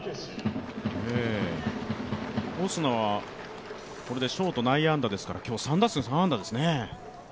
オスナはショート内野安打ですから、今日、３打数３安打ですね。